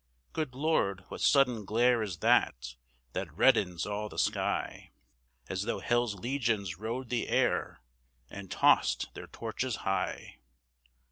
Good Lord! what sudden glare is that that reddens all the sky, As though hell's legions rode the air and tossed their torches high!